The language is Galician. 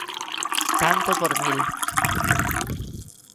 Tanto por mil.